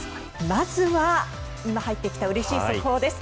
まずは今入ってきたうれしい速報です。